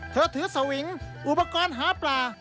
เธอถือสวิงอุปกรณ์หาปลา